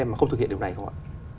mà không thực hiện điều này không ạ